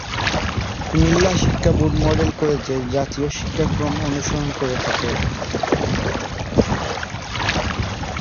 কুমিল্লা শিক্ষাবোর্ড model college জাতীয় শিক্ষাক্রম অনুসরণ করে থাকে।